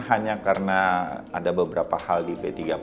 hanya karena ada beberapa hal di p tiga